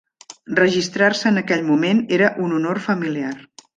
Registrar-se en aquell moment era un honor familiar.